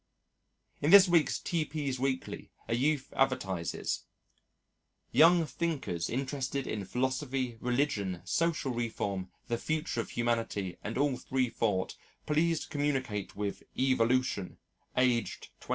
In this week's T.P.'s Weekly a youth advertises: "Young thinkers interested in philosophy, religion, social reform, the future of humanity, and all freethought, please communicate with 'Evolution,' aged 21!"